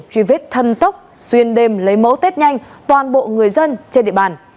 truy vết thần tốc xuyên đêm lấy mẫu tết nhanh toàn bộ người dân trên địa bàn